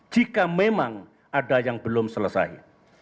jika memang ada yang belum selesai